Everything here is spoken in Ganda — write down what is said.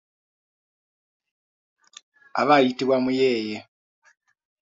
Aba ayitibwa muyeeye.